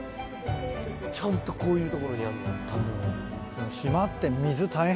ちゃんとこういう所にあるのは。